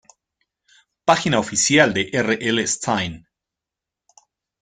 Página oficial de R. L. Stine